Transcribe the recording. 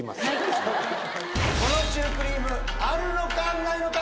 このシュークリームあるのか？